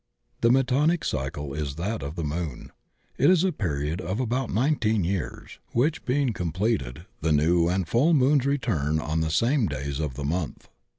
"The Metonic cycle is that of the Moon. It is a period of about nineteen years, which being com THE GREAT SIDEREAL CYCLE 121 pleted the new and the full moons return on the same days of the month."